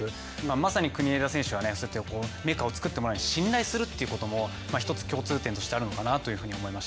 まさに国枝選手はメカを作ってもらう方を信頼するっていうことも１つ共通点としてあるのかなと思います。